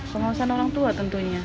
pengawasan orang tua tentunya